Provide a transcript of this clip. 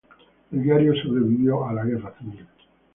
El diario sobrevivió a la Guerra civil.